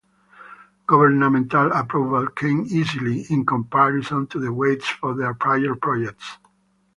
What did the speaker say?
Governmental approval came easily in comparison to the waits for their prior projects.